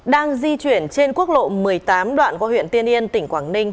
đang di chuyển trên quốc lộ một mươi tám đoạn qua huyện tiên yên tỉnh quảng ninh